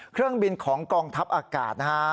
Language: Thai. เครื่องบินของกองทัพอากาศนะฮะ